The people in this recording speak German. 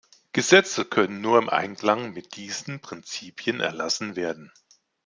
Gesetze können nur im Einklang mit diesen Prinzipien erlassen werden.